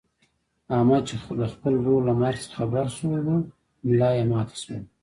احمد چې د خپل ورور له مرګ څخه خبر شولو ملایې ماته شوله.